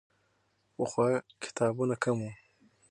پخوا کتابونه کم وو.